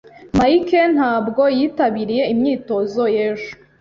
Mike ntabwo yitabiriye imyitozo y'ejo.